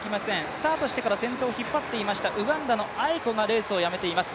スタートしてから先頭を引っ張っていましたウガンダのアエコがレースをやめています。